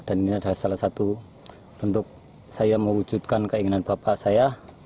dan ini adalah salah satu untuk saya mewujudkan keinginan bapak saya